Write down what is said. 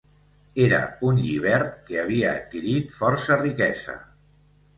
Era un llibert que havia adquirit força riquesa.